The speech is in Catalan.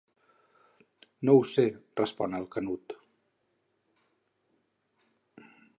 No ho sé, respon el Canut.